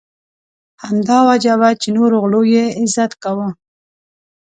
همدا وجه وه چې نورو غلو یې عزت کاوه.